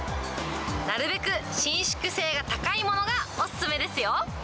なるべく伸縮性が高いものがお勧めですよ。